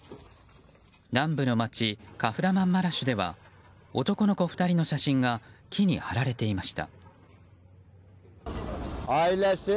南部の街カフラマンマラシュでは男の子２人の写真が木に貼られていました。